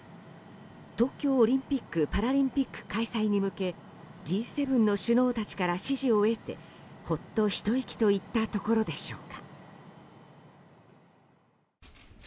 東京オリンピック・パラリンピック開催に向けＧ７の首脳たちがら支持を得てほっと、ひと息といったところでしょうか。